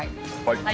はい。